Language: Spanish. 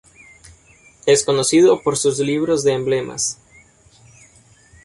Es conocido por sus libros de emblemas.